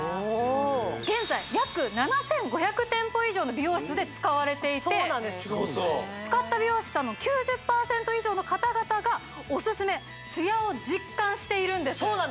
現在約７５００店舗以上の美容室で使われていて使った美容師さんの９０％以上の方々がおすすめツヤを実感しているんです